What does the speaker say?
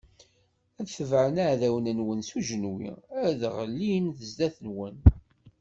Ad tebɛem iɛdawen-nwen s ujenwi, ad ɣellin zdat-nwen.